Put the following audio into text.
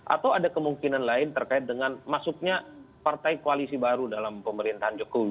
atau ada kemungkinan lain terkait dengan masuknya partai koalisi baru dalam pemerintahan jokowi